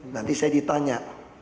nanti saya ditanya